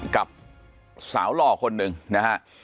กับสาวหล่อคนหนึ่งนะฮะ